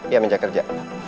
iya meja kerja